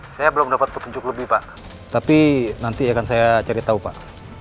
saya belum dapat petunjuk lebih pak tapi nanti akan saya cari tahu pak